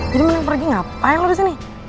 jadi mending pergi ngapain lo disini